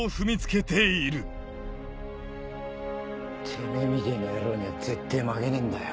てめぇみてぇな野郎にはぜってぇ負けねえんだよ。